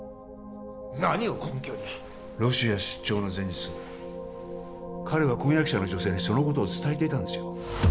何を根拠にロシア出張の前日彼は婚約者の女性にそのことを伝えていたんですよ